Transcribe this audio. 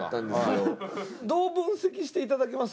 どう分析していただけます？